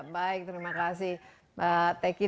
baik terima kasih pak teki